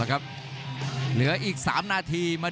ลมหลายนาฬิกา